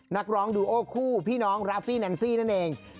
นักร้องดูโอคู่พี่น้องราฟี่แนนซี่นั่นเอง